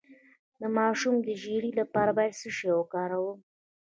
د ماشوم د ژیړي لپاره باید څه شی وکاروم؟